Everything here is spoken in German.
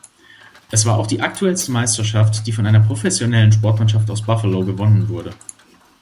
Es war auch die aktuellste Meisterschaft, die von einer professionellen Sportmannschaft aus Buffalo gewonnen wurde.